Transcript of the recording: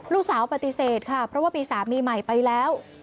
ลูกสาวปฏิเสธค่ะเพราะว่ามีสามีใหม่ไปแล้ว